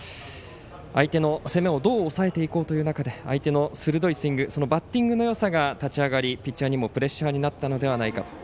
相手の攻めをどう抑えていこうという中で相手の鋭いスイングバッティングのよさが立ち上がりピッチャーにもプレッシャーになったのではないかと。